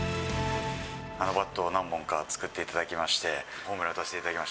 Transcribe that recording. あのバットは何本か作っていただきまして、ホームラン打たせていただきました。